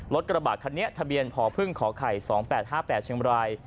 รถกระบาดขันนี้ทะเบียนพพึ่งขไข๒๘๕๘เชงราย